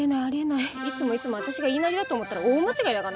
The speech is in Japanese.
いつもいつも私が言いなりだと思ったら大間違いだかんな。